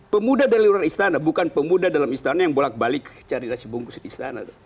pemuda dari luar istana bukan pemuda dalam istana yang bolak balik cari nasi bungkus di istana